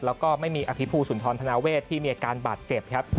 แล้วก็ไม่มีอภิภูสุนทรธนาเวทที่มีอาการบาดเจ็บครับ